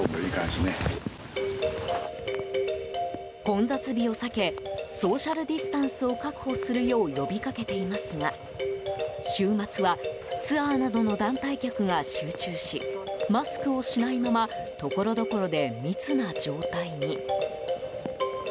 混雑日を避けソーシャルディスタンスを確保するよう呼び掛けていますが週末はツアーなどの団体客が集中しマスクをしないままところどころで密な状態に。